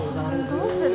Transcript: どうする？